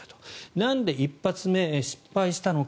なんで１発目、失敗したのか。